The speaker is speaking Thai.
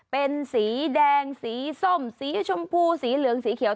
เป็นสีแดงสีส้มสีชมพูสีเหลืองสีเขียว